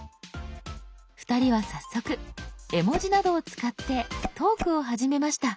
２人は早速絵文字などを使ってトークを始めました。